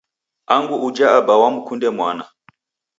Angu uja aba wamkunde mwana